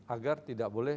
agar tidak boleh